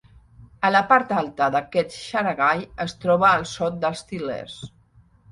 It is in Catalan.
A la part alta d'aquest xaragall es troba el Sot dels Til·lers.